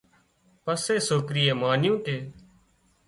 پسي سوڪري مانيون ڪي